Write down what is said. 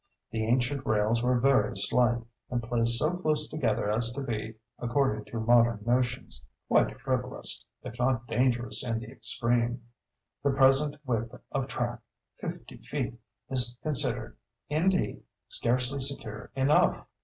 The ancient rails were very slight, and placed so close together as to be, according to modern notions, quite frivolous, if not dangerous in the extreme. The present width of track—fifty feet—is considered, indeed, scarcely secure enough.